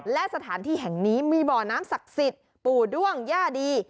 และสถานที่แห่งนี้มีบ่อน้ำศักดิ์สิทธิ์ปู่ด้วงย่าดี